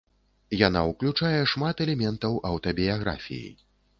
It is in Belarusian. Яна ўключае шмат элементаў аўтабіяграфіі.